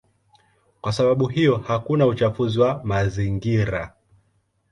Kwa sababu hiyo hakuna uchafuzi wa mazingira.